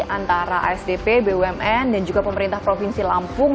antara asdp bumn dan juga pemerintah provinsi lampung